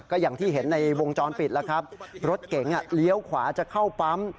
ก็อย่างที่เห็นในวงจรปิดแล้วครับรถเก๋งเลี้ยวขวาจะเข้าปั๊ม